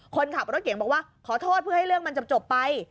คนขับรถเก่งบอกว่าขอโทษเพื่อให้เรื่องมันจะจบไป